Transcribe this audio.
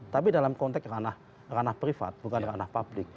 tapi dalam konteks ranah privat bukan ranah publik